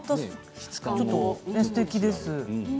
すてきです。